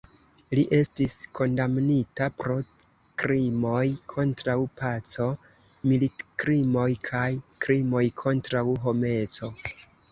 Li estis kondamnita pro krimoj kontraŭ paco, militkrimoj kaj krimoj kontraŭ homeco.